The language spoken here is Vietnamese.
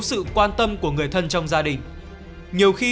sự quan tâm của người thân trong gia đình nhiều khi